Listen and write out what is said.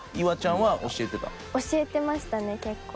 教えてましたね結構。